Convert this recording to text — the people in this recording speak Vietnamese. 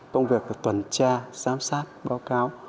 công việc là tuần tra giám sát báo cáo